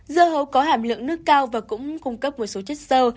dưa hấu có hàm lượng nước cao và cũng cung cấp một số chất sơ